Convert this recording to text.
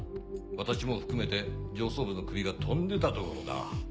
私も含めて上層部のクビが飛んでたところだ。